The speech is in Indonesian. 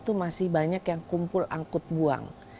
itu masih banyak yang kumpul angkut buang